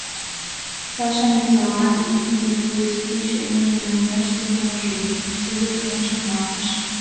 Саша Митялан ик изи туйыс тич эҥыжым намияш сӧрымыжым кызыт гына шарналтыш.